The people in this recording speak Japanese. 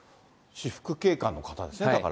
私服警官の方ですね、だから。